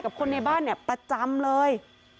คนในบ้านเนี่ยประจำเลย